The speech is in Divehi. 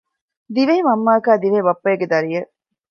ދިވެހި މަންމައަކާއި ދިވެހި ބައްޕައެއްގެ ދަރިއެއް